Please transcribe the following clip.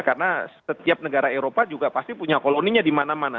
karena setiap negara eropa juga pasti punya koloninya di mana mana